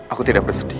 aku tidak bersedih